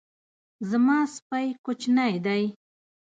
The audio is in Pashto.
زما سپی کوچنی دی